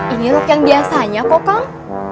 ini ruk yang biasanya kok kang